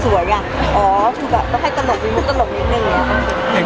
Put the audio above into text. อ๋อคือก็แบบต้องให้ตลกขึ้นบุกตลกอีกนึง